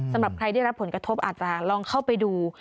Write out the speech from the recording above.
สำหรับใครได้รับผลกระทบอาจจะลองเข้าไปดู